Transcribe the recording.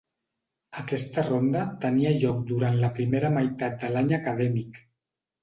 Aquesta ronda tenia lloc durant la primera meitat de l'any acadèmic.